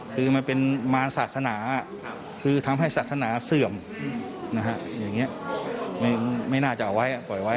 คือมันเป็นมารศาสนาคือทำให้ศาสนาเสื่อมอย่างนี้ไม่น่าจะเอาไว้ปล่อยไว้